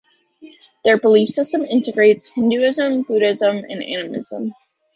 Their belief system integrates Hinduism, Buddhism and animism.